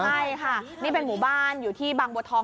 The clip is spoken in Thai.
ใช่ค่ะนี่เป็นหมู่บ้านอยู่ที่บางบัวทอง